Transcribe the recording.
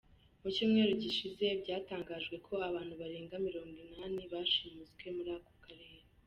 Mu cyumweru gishize byatangajwe ko abantu barenga mirongo inani bashimuswe muri ako karere.